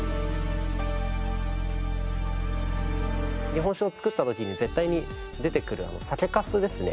日本酒を造った時に絶対に出てくる酒粕ですね。